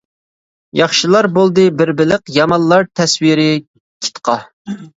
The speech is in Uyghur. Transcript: ياخشىلار بولدى بىر بېلىق، يامانلار تەسۋىرى كىتقا.